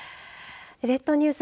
列島ニュース